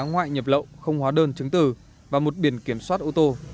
ngoại nhập lậu không hóa đơn chứng từ và một biển kiểm soát ô tô